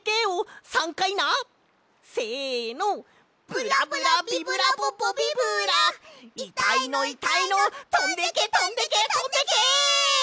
ブラブラビブラボボビブラいたいのいたいのとんでけとんでけとんでけ！